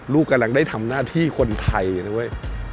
ลูกกำลังได้ทำหน้าที่คนไทยนะเว้ย